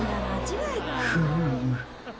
フーム。